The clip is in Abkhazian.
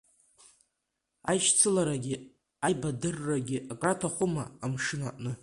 Аишьцыларагьы аибадыррагьы акраҭахума амшын аҟны.